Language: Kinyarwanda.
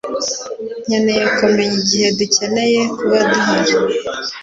Nkeneye kumenya igihe dukeneye kuba duhari